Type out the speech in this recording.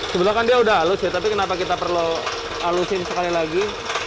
sebelah kan dia udah halus ya tapi kenapa kita perlu halusin sekali lagi